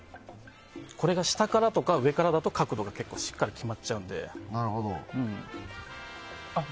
これが下からとか上からだと角度がしっかり決まっちゃうので。